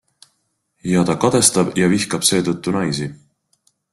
Ja ta kadestab ja vihkab seetõttu naisi.